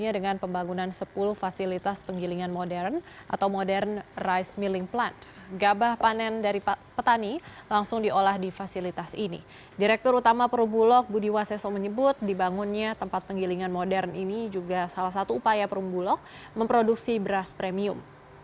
dengan modern ini juga salah satu upaya perung bulog memproduksi beras premium